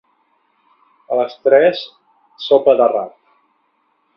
A les tres, sopa de rap.